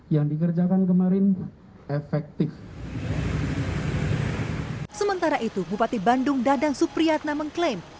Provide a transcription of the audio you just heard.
yang dikerjakan kemarin efektif sementara itu bupati bandung dadang supriyatna mengklaim